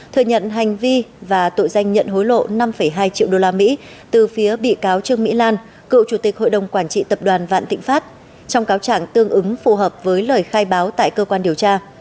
thừa nhận hành vi và tội danh nhận hối lộ năm hai triệu usd từ phía bị cáo trương mỹ lan cựu chủ tịch hội đồng quản trị tập đoàn vạn thịnh pháp trong cáo trạng tương ứng phù hợp với lời khai báo tại cơ quan điều tra